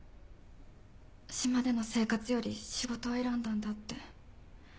島での生活より仕事を選んだんだって。